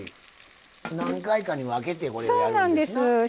何回かに分けてこれやるんですな。